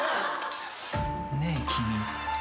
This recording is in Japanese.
ねえ君。